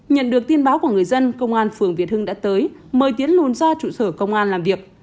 nhận được tin báo của người dân công an phường việt hưng đã tới mời tiến lùn ra trụ sở công an làm việc